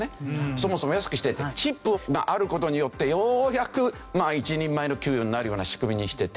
そもそも安くしておいてチップがある事によってようやく一人前の給料になるような仕組みにしてて。